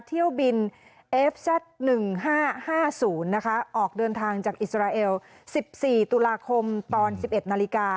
เที่ยวบินเอฟแซ็ด๑๕๕๐นะคะออกเดินทางจากอิสราเอล๑๔ตุลาคมตอน๑๑นาฬิกา